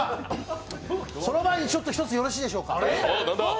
その前に一つちょっとよろしいでしょうか。